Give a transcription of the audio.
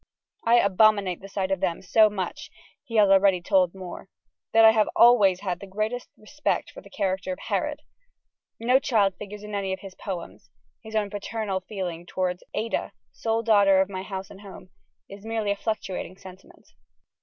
"I abominate the sight of them so much," he has already told Moore, "that I have always had the greatest respect for the character of Herod!" No child figures in any of his poems: his own paternal feeling towards "Ada, sole daughter of my house and home," is merely a fluctuating sentiment.